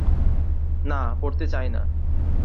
না, পড়তে চাই না।